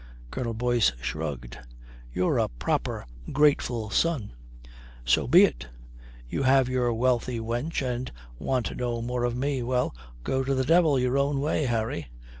Colonel Boyce shrugged. "You're a proper grateful son. So be it. You have your wealthy wench and want no more of me. Well, go to the devil your own way, Harry."